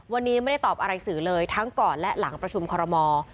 วันนี้ไม่ได้ตอบอะไรสื่อเลยทั้งก่อนและหลังประชุมคอรมอล์